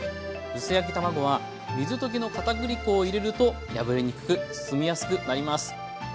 薄焼き卵は水溶きのかたくり粉を入れると破れにくく包みやすくなります。